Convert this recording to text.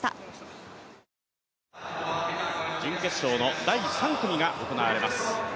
準決勝の第３組が行われます